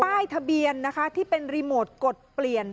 ป้ายทะเบียนนะคะที่เป็นรีโมทกดเปลี่ยน